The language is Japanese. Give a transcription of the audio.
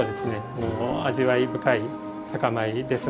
もう味わい深い酒米ですので。